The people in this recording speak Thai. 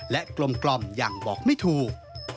และกลมอย่างบอกไม่ถูก